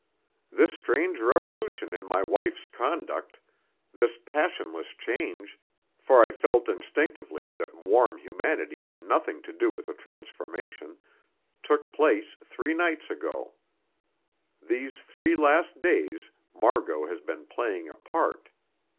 This strange revolution in my wife's conduct, this passionless change for I felt instinctively that warm humanity had nothing to do with the transformation took place three nights ago. These three last days Mar got has been playing a part.